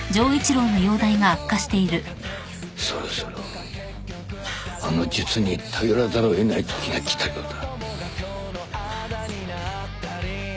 そろそろあの術に頼らざるを得ないときが来たようだ。